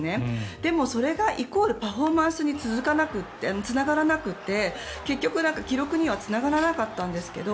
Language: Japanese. でもそれがイコールパフォーマンスにつながらなくて結局、記録にはつながらなかったんですけれども